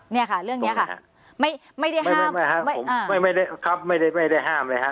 เนี่ยค่ะเรื่องนี้ค่ะไม่ได้ห้ามไม่ไม่ได้ครับไม่ได้ไม่ได้ห้ามเลยฮะ